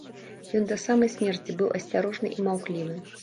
Ён да самай смерці быў асцярожны і маўклівы.